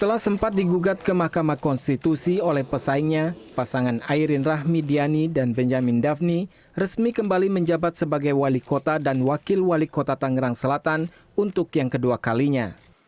ayrin rahmi diani adik ipar mantan gubernur banten ratu atut khosia resmi menjabat sebagai wali kota tanggerang selatan untuk yang kedua kalinya